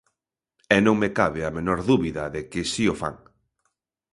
E non me cabe a menor dúbida de que si o fan.